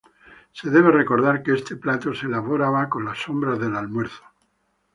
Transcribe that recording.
Se debe recordar que este plato se elaboraba con las sobras del almuerzo.